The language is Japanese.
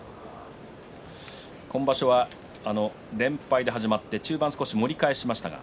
今場所は連敗で始まって中盤、少し盛り返しました。